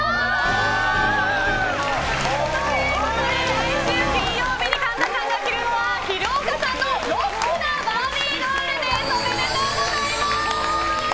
来週金曜日に神田さんが着るのは廣岡さんのロックなバービードールです！おめでとうございます！